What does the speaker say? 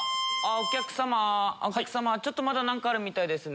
お客様ちょっとまだ何かあるみたいですね。